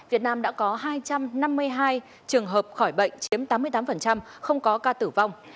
việt nam đã có hai trăm năm mươi hai trường hợp khỏi bệnh chiếm tám mươi tám không có ca tử vong